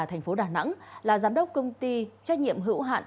thành phố đà nẵng là giám đốc công ty trách nhiệm hữu hạn